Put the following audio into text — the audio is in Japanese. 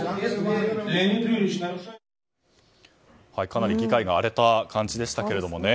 かなり議会が荒れた感じでしたけれども。